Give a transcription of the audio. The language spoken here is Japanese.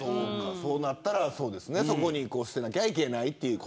そうあったらそこに捨てなきゃいけない。